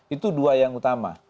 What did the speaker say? itu dua yang utama